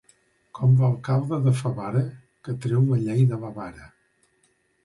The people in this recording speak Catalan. Com l'alcalde de Favara, que treu la llei de la vara.